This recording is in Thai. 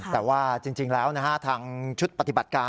แต่ว่าจริงแล้วทางชุดปฏิบัติการ